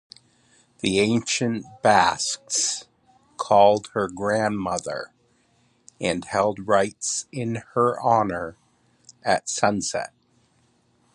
The ancient Basques called her "grandmother"; and held rites in her honour at sunset.